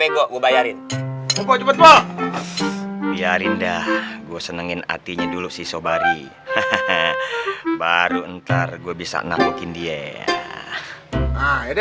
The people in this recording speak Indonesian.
gue bayarin biarin dah gue senengin artinya dulu si sobari baru ntar gue bisa nabokin dia